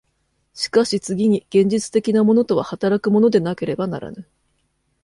しかし次に現実的なものとは働くものでなければならぬ。